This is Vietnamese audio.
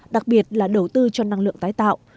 đặc biệt là đầu tư cho năng lượng tái tạo